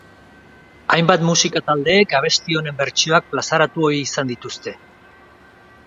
Hainbat musika taldeek abesti honen bertsioak plazaratu ohi izan dituzte.